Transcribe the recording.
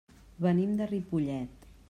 Venim de Ripollet.